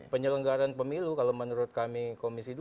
penyelenggaran pemilu kalau menurut kami komisi dua